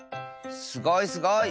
すごいすごい。